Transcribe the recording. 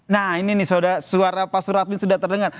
nah ini nih suara pak surat ini sudah terdengar